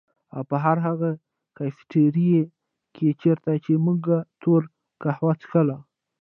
او په هر هغه کيفېټيريا کي چيرته چي مونږ توره کهوه څښله